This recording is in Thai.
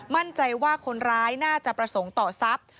มั่นใจว่าคนร้ายน่าจะประสงค์ต่อทรัพย์